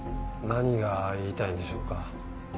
何が言いたいんでしょうか？